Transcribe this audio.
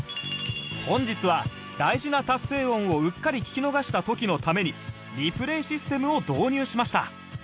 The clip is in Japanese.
本日は大事な達成音をうっかり聞き逃した時のためにリプレイシステムを導入しました